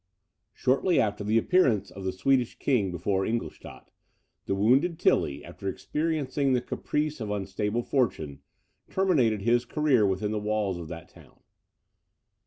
Shortly after the appearance of the Swedish King before Ingolstadt, the wounded Tilly, after experiencing the caprice of unstable fortune, terminated his career within the walls of that town.